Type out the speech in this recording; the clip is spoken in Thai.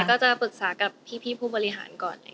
ก็จะปรึกษากับพี่ผู้บริหารก่อน